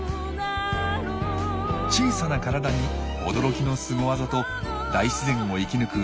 小さな体に驚きのスゴ技と大自然を生き抜く